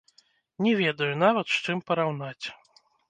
Не ведаю нават, з чым параўнаць.